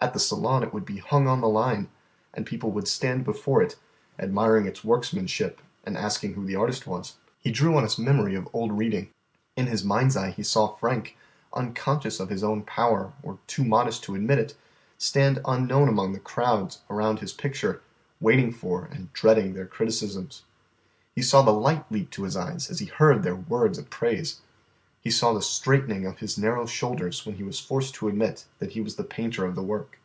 At the Salon it would be hung on the line, and people would stand before it admiring its workmanship and asking who the artist was. He drew on his memory of old reading. In his mind's eye he saw Frank, unconscious of his own power or too modest to admit it, stand unknown among the crowds around his picture waiting for and dreading their criticisms. He saw the light leap to his eyes as he heard their words of praise. He saw the straightening of his narrow shoulders when he was forced to admit that he was the painter of the work.